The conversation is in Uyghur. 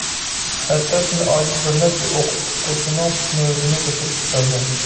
ھەتتا تېنى ئاجىز بىرنەچچە ئوقۇتقۇچىنىڭ نۆۋىتىنى كۆتۈرۈشۈپ بەردى.